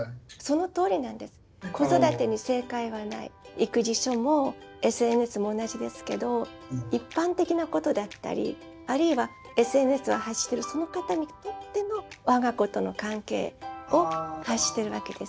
育児書もＳＮＳも同じですけど一般的なことだったりあるいはＳＮＳを発してるその方にとっての我が子との関係を発してるわけです。